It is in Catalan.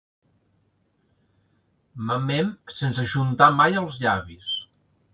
Mamem sense ajuntar mai els llavis.